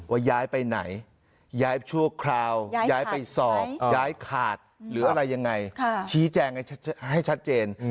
ย้ายไปไหนย้ายชั่วคราวย้ายไปสอบย้ายขาดหรืออะไรยังไงชี้แจงให้ชัดเจน